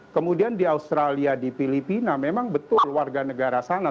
kemudian di australia di filipina memang betul warga negara sana